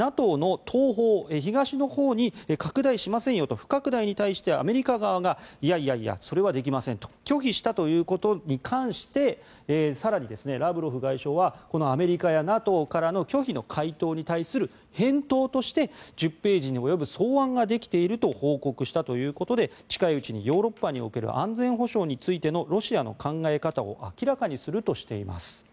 ＮＡＴＯの東方東のほうに拡大しませんよと不拡大に対してアメリカ側がいやいや、それはできませんと拒否したということに関して更にラブロフ外相はこのアメリカやＮＡＴＯからの拒否の回答に対する返答として１０ページに及ぶ草案ができていると報告したということで近いうちにヨーロッパにおける安全保障についてのロシアの考え方を明らかにするとしています。